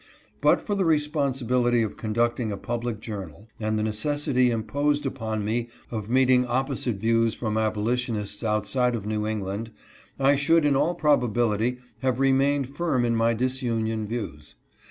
But Jor the re sponsibility of conducting a public journal, and the neces sity "imposed upon me of meeting opposite views from abolitionists outside of New England, I should in all probability have remained firm in my disunion views.